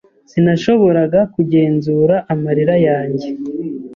Sinashoboraga kugenzura amarira yanjye.